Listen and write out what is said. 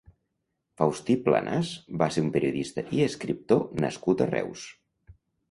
Faustí Planàs va ser un periodista i escriptor nascut a Reus.